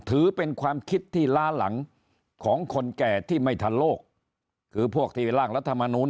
ถือเป็นความคิดที่ล้าหลังของคนแก่ที่ไม่ทันโลกคือพวกที่ร่างรัฐมนูล